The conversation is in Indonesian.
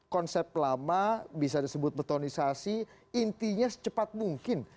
konsep lama bisa disebut betonisasi intinya secepat mungkin